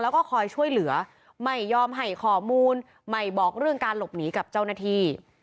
แล้วก็คอยช่วยเหลือไม่ยอมให้ข้อมูลไม่บอกเรื่องการหลบหนีกับเจ้าหน้าที่